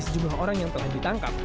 sejumlah orang yang telah ditangkap